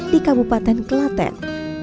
di kabupaten klaten